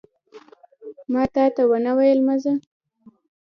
ماتاته نه ویل مه ځه